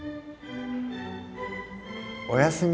おやすみ。